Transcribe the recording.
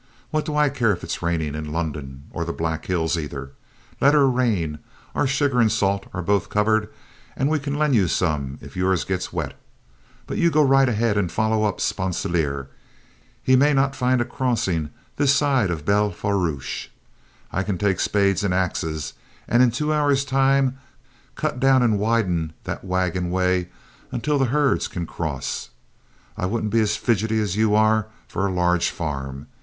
What do I care if it is raining in London or the Black Hills either? Let her rain; our sugar and salt are both covered, and we can lend you some if yours gets wet. But you go right ahead and follow up Sponsilier; he may not find a crossing this side of the Belle Fourche. I can take spades and axes, and in two hours' time cut down and widen that wagon way until the herds can cross. I wouldn't be as fidgety as you are for a large farm.